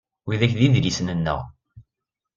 Widak d idlisen-nneɣ.